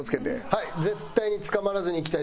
はい。